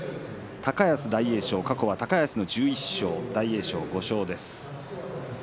高安大栄翔過去は高安の１１勝大栄翔の５勝です。